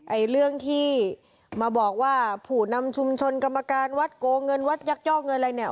ไอ้เรื่องที่มะบอกว่าผู้นำชุดชนกรรมการวัดเกาะเงินอะไรนี่